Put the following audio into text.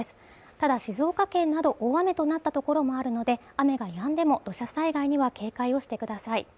ただ静岡県など大雨となったところもあるので雨がやんでも土砂災害には警戒をしてください